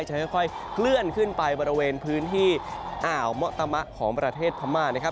จะค่อยเคลื่อนขึ้นไปบริเวณพื้นที่อ่าวมะตามะของประเทศพม่านะครับ